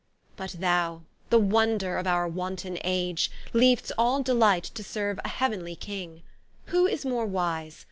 But thou, the wonder of our wanton age Leav'st all delights to serve a heav'nly King: Who is more wise?